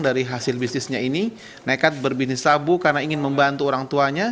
dari hasil bisnisnya ini nekat berbisnis sabu karena ingin membantu orang tuanya